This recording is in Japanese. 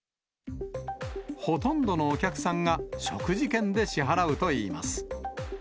ほとんどのお客さんが、食事券で支払うといいます。